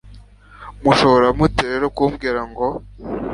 mushobora mute rero kumbwira ngo